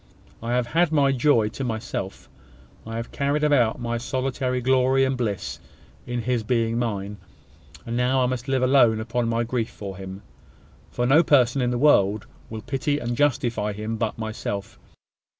I have had my joy to myself: I have carried about my solitary glory and bliss in his being mine; and now I must live alone upon my grief for him; for no one person in the world will pity and justify him but myself.